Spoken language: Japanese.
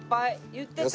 言ってた。